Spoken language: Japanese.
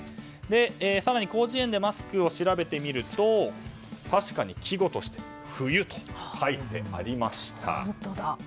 更に広辞苑でマスクを調べてみると確かに、季語として冬と書いてありました。